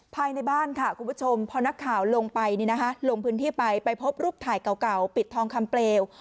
ภายในบ้านค่ะคุณผู้ชมพอนักข่าวลงไปลงพื้นที่ไปไปพบรูปถ่ายเก่าปิดทองคำเปลว